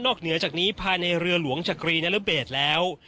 เหนือจากนี้ภายในเรือหลวงชะกรีนรเบศแล้ว